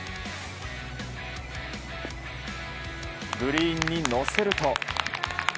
グリーンに乗せると。